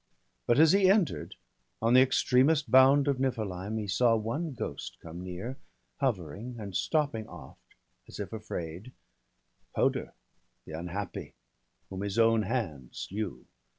But as he enter'd, on the extremest bound Of Niflheim, he saw one ghost come near, Hovering, and stopping oft, as if afraid — Hoder, the unhappy, whom his own hand slew.